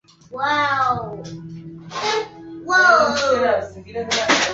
Maji yetu na bahari ni muhimu katika maisha yetu